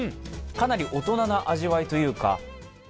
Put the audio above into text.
かなり大人な味わいというか。